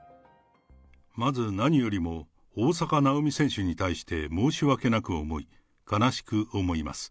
まず何よりも、大坂なおみ選手に対して申し訳なく思い、悲しく思います。